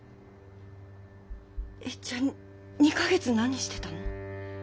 えじゃあ２か月何してたの？